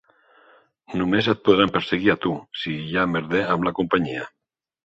Només et podran perseguir a tu, si hi ha merder amb la companyia.